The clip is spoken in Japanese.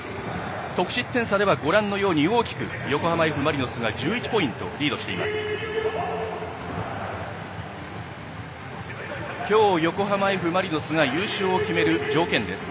得失点差ではご覧のように大きく横浜Ｆ・マリノスが１１ポイント、リードしています。